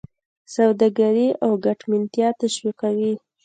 سوداګري او ګټمنتیا تشویقوي.